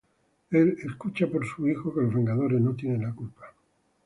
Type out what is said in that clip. Él escucha por su hijo que los Vengadores no tienen la culpa.